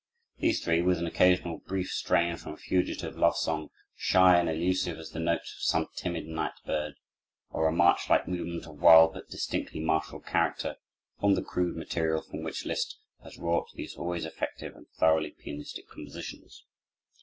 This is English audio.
These three, with an occasional brief strain from a fugitive love song, shy and elusive as the notes of some timid night bird, or a march like movement of wild but distinctly martial character, formed the crude material from which Liszt has wrought these always effective and thoroughly pianistic compositions.